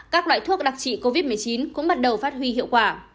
các loại thuốc đặc trị covid một mươi chín cũng bắt đầu phát huy hiệu quả